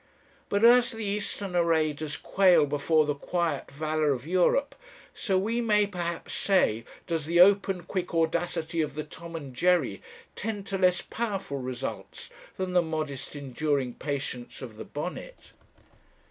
But as the Eastern array does quail before the quiet valour of Europe, so, we may perhaps say, does the open, quick audacity of the Tom and Jerry tend to less powerful results than the modest enduring patience of the bonnet."